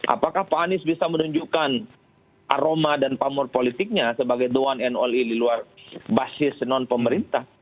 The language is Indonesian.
apakah pak anies bisa menunjukkan aroma dan pamur politiknya sebagai the one and all e di luar basis non pemerintah